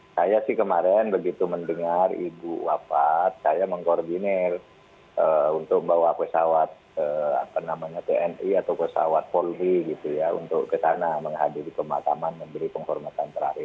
saya sih kemarin begitu mendengar ibu wafat saya mengkoordinir untuk bawa pesawat tni atau pesawat polri gitu ya untuk ke sana menghadiri pemakaman memberi penghormatan terakhir